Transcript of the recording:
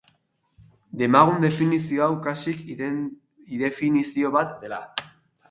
Demagun definizio hau, kasik, indefinizio bat dela.